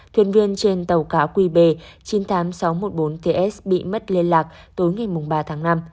thuyền viên trên tàu cá qb chín mươi tám nghìn sáu trăm một mươi bốn ts bị mất liên lạc tối ngày ba tháng năm